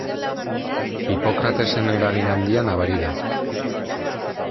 Hipokratesen eragin handia nabari da.